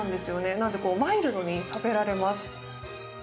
なのでマイルドに食べられます。